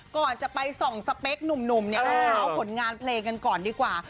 ก่อนจะไปส่องสเปกหนุ่มเอาผลงานเพลงกันดีกว่า